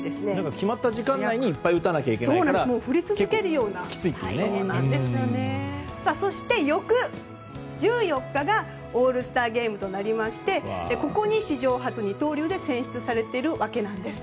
決まった時間内にいっぱい打たなきゃいけないからそして翌１４日がオールスターゲームとなりましてここに史上初二刀流で選出されているわけなんです。